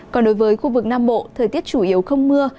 còn đối với khu vực nam bộ thời tiết chủ yếu không mưa